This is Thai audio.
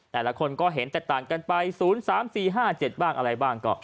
แต่ละคนก็เห็นแตกต่างกันไป๐๓๔๕๗บ้างอะไรบ้างก็